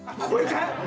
これかい？